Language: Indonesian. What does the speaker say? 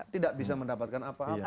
tidak bisa mendapatkan apa apa